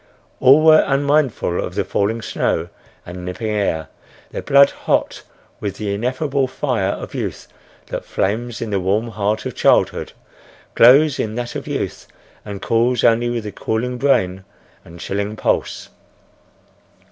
All were unmindful of the falling snow and nipping air, their blood hot with the ineffable fire of youth that flames in the warm heart of childhood, glows in that of youth, and cools only with the cooling brain and chilling pulse.